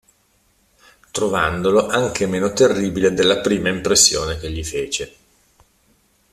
Trovandolo anche meno terribile della prima impressione che gli fece.